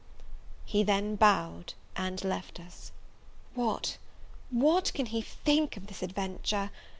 He then bowed and left us. What, what can he think of this adventure!